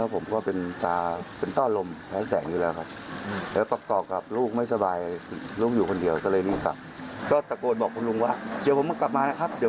ผมก็ไม่เคยคิดทางอยู่เป็นวันเวย์